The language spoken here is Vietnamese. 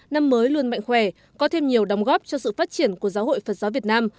năm mới luôn mạnh khỏe có thêm nhiều đóng góp cho sự phát triển của giáo hội phật giáo việt nam